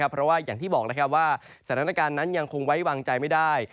เพราะว่าอย่างที่บอกว่าสถานการณ์นั้นยังคงไว้วางใจไม่ได้